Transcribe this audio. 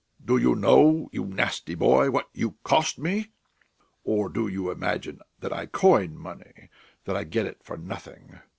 Do you know, you nasty boy, what you cost me? Or do you imagine that I coin money, that I get it for nothing?